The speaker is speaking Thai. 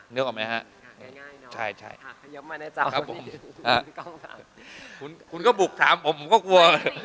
นึกออกไหมฮะใช่คุณก็บุกถามผมก็กลัว